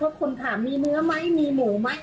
เพราะคุณถามมีเนื้อไหมมีหมูไหม